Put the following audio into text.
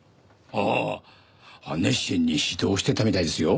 ああ熱心に指導してたみたいですよ。